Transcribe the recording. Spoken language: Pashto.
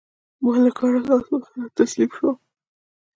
ما له کاره لاس واخيست او تسليم شوم.